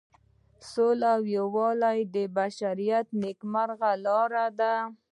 سوله او یووالی د بشریت د نیکمرغۍ لاره ده.